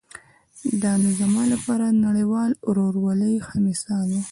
دا نو زما لپاره د نړیوال ورورولۍ ښه مثال و.